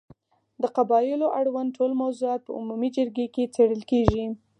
د قبایلو اړوند ټول موضوعات په عمومي جرګې کې څېړل کېږي.